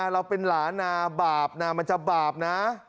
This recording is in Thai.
เราเป็นหลานนาบาปนามันจะบาปนะ